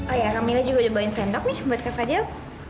oh ya kak mila juga udah bawain sendok nih buat kak fadil